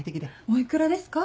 お幾らですか？